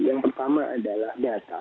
yang pertama adalah data